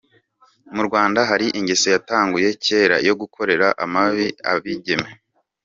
Mu Rwanda hari ingeso yatanguye kera yo gukorera amabi abigeme.